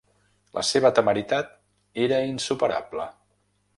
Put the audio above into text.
La seva temeritat era insuperable.